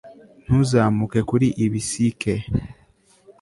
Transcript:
Ntuzamuke kuri ibi CK